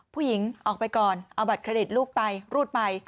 ผู้หญิงออกไปก่อนเอาบัตรเครดิตลูกไปรูดไป